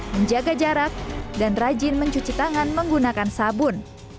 menjaga jarak dan rajin mencuci tangan menggunakan sabun